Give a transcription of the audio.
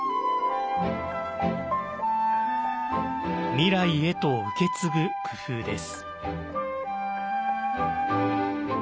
未来へと受け継ぐ工夫です。